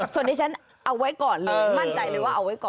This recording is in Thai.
ส่วนที่ฉันเอาไว้ก่อนเลยมั่นใจเลยว่าเอาไว้ก่อน